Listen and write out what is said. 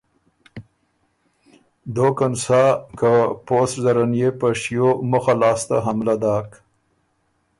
دوکن سا، که پوسټ زره ان يې په شیو مُخه لاسته حملۀ داک۔